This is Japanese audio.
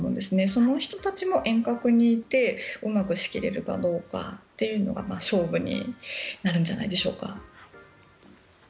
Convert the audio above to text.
その人たちも遠隔にいてうまく仕切れるかどうかというのが勝負になるんじゃないでしょうか。